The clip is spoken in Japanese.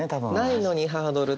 ないのにハードルって。